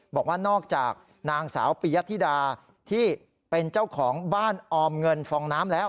บอกว่านอกจากนางสาวปียธิดาที่เป็นเจ้าของบ้านออมเงินฟองน้ำแล้ว